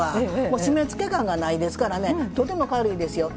もう締めつけ感がないですからねとても軽いですよ。